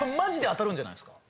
当たるんじゃないっすか？